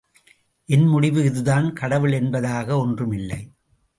என் முடிவு இதுதான் கடவுள் என்பதாக ஒன்று இல்லை.